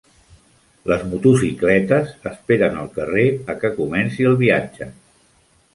Les motocicletes esperen al carrer a que comenci el viatge.